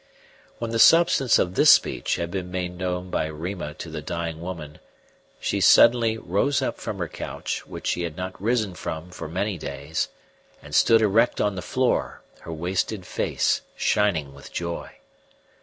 When the substance of this speech had been made known by Rima to the dying woman, she suddenly rose up from her couch, which she had not risen from for many days, and stood erect on the floor, her wasted face shining with joy.